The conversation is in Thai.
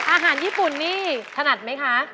อาหารญี่ปุ่นนี่ถนัดไหมคะ